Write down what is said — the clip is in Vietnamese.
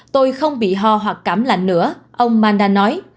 tôi không bị ho hoặc cảm lạnh nữa ông manda nói